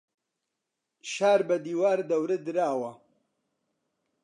شار بە دیوار دەورە دراوە.